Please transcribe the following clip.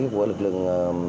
của lực lượng